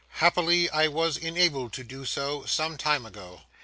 Happily I was enabled to do so some time ago.